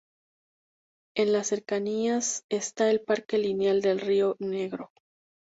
En las cercanías está el Parque Lineal del Río Negro.